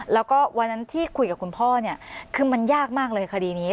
แล้วก็วันนั้นที่คุยกับคุณพ่อเนี่ยคือมันยากมากเลยคดีนี้